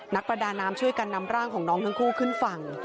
ประดาน้ำช่วยกันนำร่างของน้องทั้งคู่ขึ้นฝั่ง